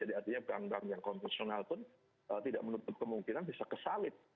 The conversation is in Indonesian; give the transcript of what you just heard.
artinya bank bank yang konvensional pun tidak menutup kemungkinan bisa kesalit